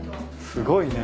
すごいね。